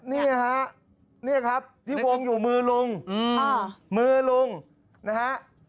นี่ฮะนี่ครับที่วงอยู่มือลุงมือลุงนะฮะ